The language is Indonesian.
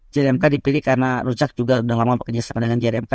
jrmk dipilih karena rujak juga udah lama bekerja sama dengan jrmk